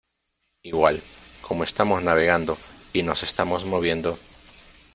igual, como estamos navegando y nos estamos moviendo ,